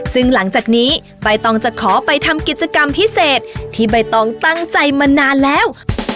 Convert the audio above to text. ซึ่งหลังจากนี้ใบตองจะขอไปทำกิจกรรมพิเศษที่ใบตองตั้งใจมานานแล้ว